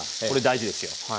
これ大事ですよ。